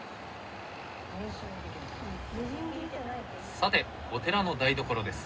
さてお寺の台所です。